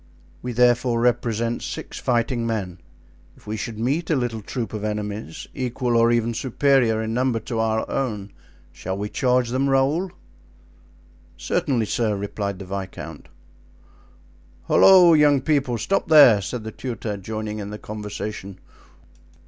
We therefore represent six fighting men; if we should meet a little troop of enemies, equal or even superior in number to our own, shall we charge them, Raoul?" "Certainly, sir," replied the viscount. "Holloa! young people—stop there!" said the tutor, joining in the conversation.